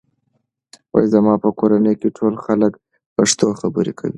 زما په کورنۍ کې ټول خلک پښتو خبرې کوي.